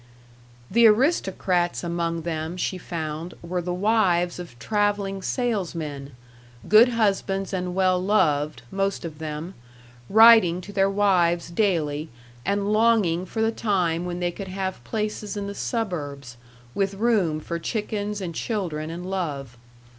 The aristocrats among them, she found, were the wives of traveling salesmen, good husbands and well loved, most of them, writing to their wives daily and longing for the time when they could have places in the suburbs, with room for chickens and children and love.